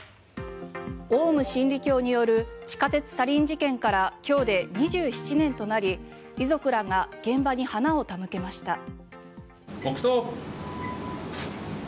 オウム真理教による地下鉄サリン事件から今日で２７年となり、遺族らが現場に花を手向けました。